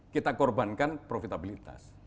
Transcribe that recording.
kita korbankan profitabilitas